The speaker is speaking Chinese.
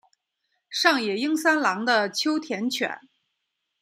上野英三郎的秋田犬。